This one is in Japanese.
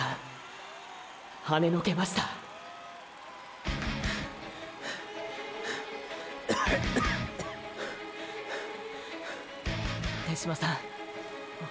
はねのけました手嶋さん。